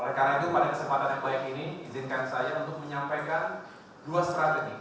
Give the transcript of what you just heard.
oleh karena itu pada kesempatan yang baik ini izinkan saya untuk menyampaikan dua strategi